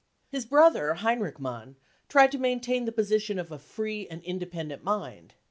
His brother Heinrich Mann tried to maintain the posi tion of " a free and independent mind."